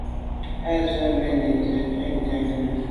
Á wʉ́ Nùmí nɔ́ɔ̀ cúp mbʉ̀ á swɛ́ɛ̀n Nùŋgɛ̀ dí.